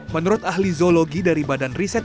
menurut ahli zoologi dari badan riset